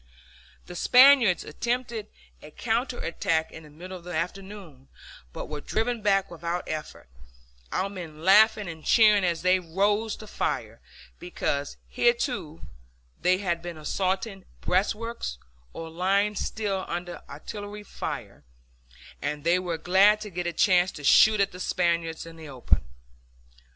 The Spaniards attempted a counter attack in the middle of the afternoon, but were driven back without effort, our men laughing and cheering as they rose to fire; because hitherto they had been assaulting breastworks, or lying still under artillery fire, and they were glad to get a chance to shoot at the Spaniards in the open.